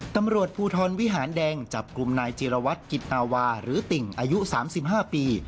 ตำรวจภูทรวิหารแดงจับกลุ่มนายจิรวัตรกิจอาวาหรือติ่งอายุ๓๕ปี